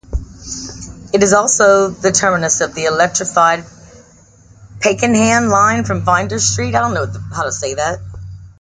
It is also the terminus of the electrified Pakenham line from Flinders Street.